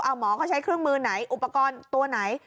หมอเขาใช้เครื่องมือไหนอุปกรณ์ตัวไหน